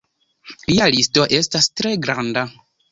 Ilia listo estas tre granda.